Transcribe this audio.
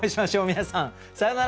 皆さんさようなら！